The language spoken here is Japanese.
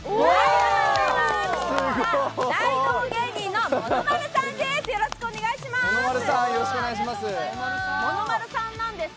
大道芸人のものまるさんです。